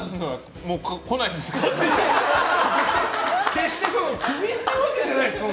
決してクビってわけじゃないです。